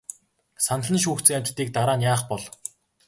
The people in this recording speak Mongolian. Санал нь шүүгдсэн амьтдыг дараа нь яах бол?